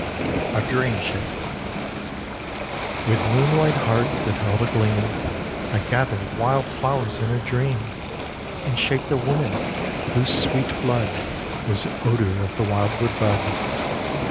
A DREAM SHAPE With moon white hearts that held a gleam, I gathered wild flowers in a dream, And shaped a woman, whose sweet blood Was odor of the wildwood bud.